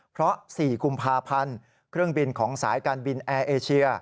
เพราะ๔กุมภาพันธ์เครื่องบินของสายการบินแอร์เอเชีย